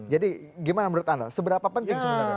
jadi gimana menurut anda seberapa penting sebenarnya